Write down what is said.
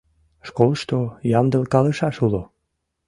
Школышто ямдылкалышаш уло.